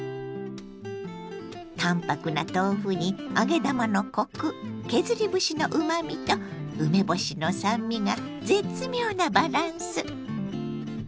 淡泊な豆腐に揚げ玉のコク削り節のうまみと梅干しの酸味が絶妙なバランス！